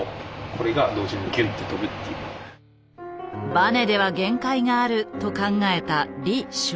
バネでは限界があると考えた李昌。